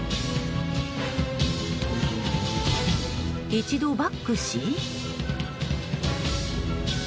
一度、バックし。